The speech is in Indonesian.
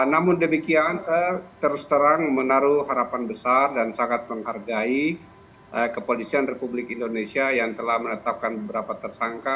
namun demikian saya terus terang menaruh harapan besar dan sangat menghargai kepolisian republik indonesia yang telah menetapkan beberapa tersangka